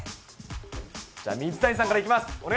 じゃあ、水谷さんからいきます。